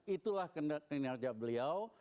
itulah kinerja beliau